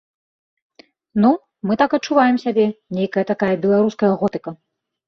Ну, мы так адчуваем сябе, нейкая такая беларуская готыка.